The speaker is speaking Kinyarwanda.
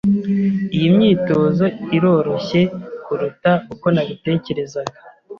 Iyi myitozo iroroshye kuruta uko nabitekerezaga.